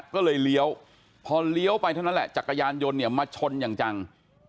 ก็เลยเลี้ยวพอเลี้ยวไปเท่านั้นแหละจักรยานยนต์เนี่ยมาชนอย่างจัง